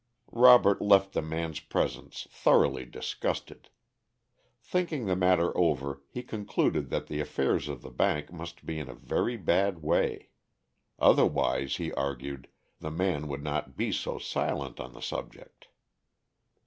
Robert left the man's presence thoroughly disgusted. Thinking the matter over he concluded that the affairs of the bank must be in a very bad way. Otherwise, he argued, the man would not be so silent on the subject.